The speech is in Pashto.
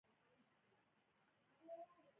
د بولان پټي د افغانستان د شنو سیمو ښکلا ده.